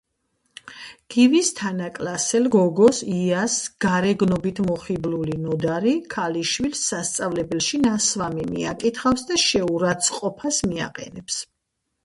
გივის თანაკლასელ გოგოს, იას გარეგნობით მოხიბლული ნოდარი ქალიშვილს სასწავლებელში ნასვამი მიაკითხავს და შეურაცხყოფას მიაყენებს.